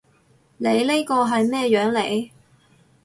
你呢個係咩樣嚟？